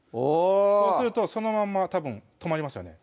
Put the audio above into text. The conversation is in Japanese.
そうするとそのまんまたぶん止まりますよね